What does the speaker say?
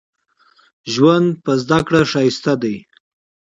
ژوند په زده کړه ښايسته دې